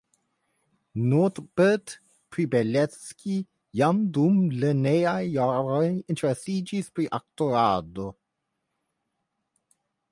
Norbert Pribelszki jam dum la lernejaj jaroj interesiĝis pri aktorado.